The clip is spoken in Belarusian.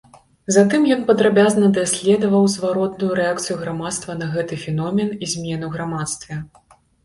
Затым ён падрабязна даследаваў зваротную рэакцыю грамадства на гэты феномен і змены ў грамадстве.